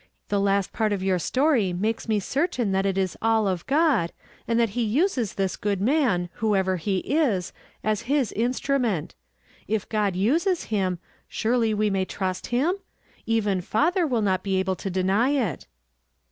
The last part of your story makes me certain that it is all of God, and that he uses this good man, who ever he is, as His instrument. If God uses him, surely we may trust him? Even father will not be able to deny it."